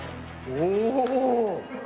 お。